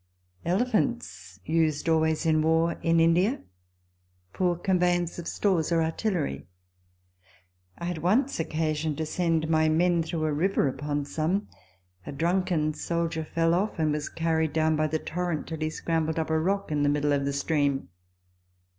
Elephants used always in war [in India], for conveyance of stores or artillery. I had once occasion to send my men through a river upon some. A drunken soldier fell off, and was carried down by the torrent till he scrambled up a rock in the middle of the stream.